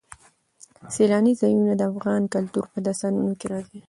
سیلانی ځایونه د افغان کلتور په داستانونو کې راځي.